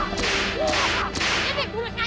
kindler berdiri suatu kebanyakan